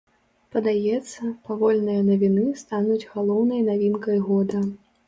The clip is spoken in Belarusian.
Падаецца, павольныя навіны стануць галоўнай навінкай года.